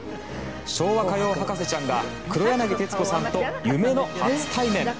昭和歌謡博士ちゃんが黒柳徹子さんと夢の初対面。